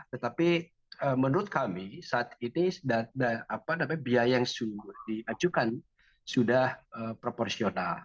tetapi menurut kami saat ini biaya yang sudah diajukan sudah proporsional